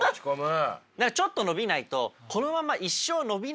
何かちょっと伸びないとあれ？